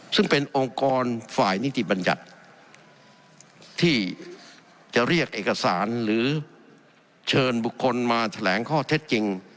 ซึ่งเป็นองค์กรฝ่ายนิติบัญญัติที่จะเรียกเอกสารหรือเชิญบุคคลมาแถลงข้อเท็จจริง